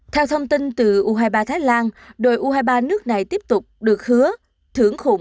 theo thông tin từ u hai mươi ba thái lan đội u hai mươi ba nước này tiếp tục được hứa thưởng khủng